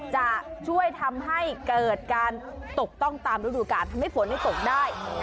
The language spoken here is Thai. จะช่วยทำให้เกิดการตกต้องตามฤดูการทำให้ฝนตกได้